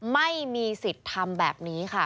ไม่มีสิทธิ์ทำแบบนี้ค่ะ